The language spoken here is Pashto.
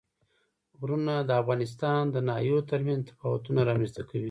غرونه د افغانستان د ناحیو ترمنځ تفاوتونه رامنځ ته کوي.